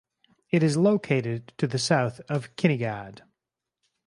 It is located to the south of Kinnegad.